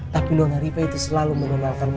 tapi nona riva itu selalu mendonalkan dengan punya andi